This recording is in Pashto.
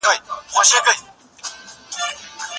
ایا ته غواړې چې د تولستوی په اړه یو فلم وګورې؟